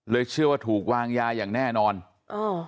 เชื่อว่าถูกวางยาอย่างแน่นอนเออ